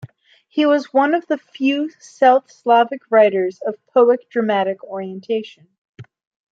He was one of the few South Slavic writers of poetic dramatic orientation.